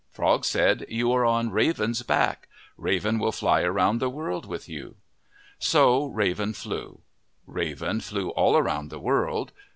Frog said, "You are on Raven's back. Raven will fly around the world with you." So Raven flew. Raven flew all around the world.